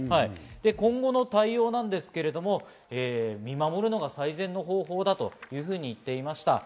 今後の対応ですけれど、見守るのが最善の方法だというふうに言っています。